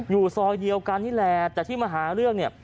อยู่ซอยเดียวกันนี่แหละแต่ที่มาหาเรื่องเนี่ย